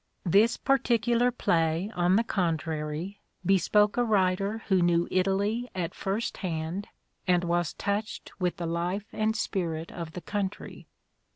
This particular play on the contrary bespoke a writer who knew Italy at first hand and was touched with the life and spirit of the country.